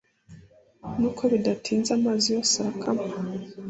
Nuko bidatinze amazi yose arakama